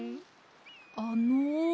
あの。